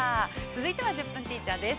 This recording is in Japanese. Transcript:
続いては「１０分ティーチャー」です。